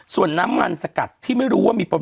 ส่วนน้ำมันสกัดที่ไม่รู้ว่ามีปม